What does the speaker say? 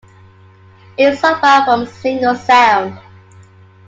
It's so far from a singles sound.